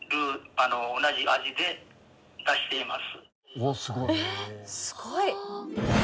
おっすごい。